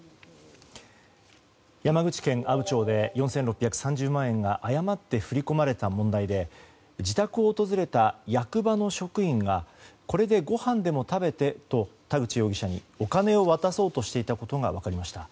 山口県阿武町で４６３０万円が誤って振り込まれた問題で自宅を訪れた役場の職員がこれでごはんでも食べてと田口容疑者にお金を渡そうとしていたことが分かりました。